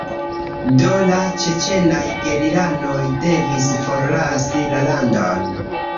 Do la ĉeĉenaj gerilanoj devis forlasi la landon.